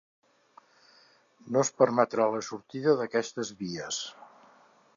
No es permetrà la sortida d’aquestes vies.